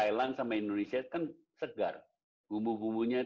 yang terbaik yang lebih ringan kental